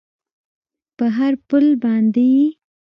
په هر پل باندې یې